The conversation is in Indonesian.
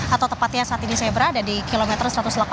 atau tepatnya saat ini saya berada di kilometer satu ratus delapan puluh